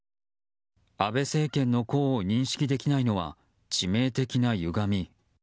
安倍政権の功を認識できないのは致命的な歪み。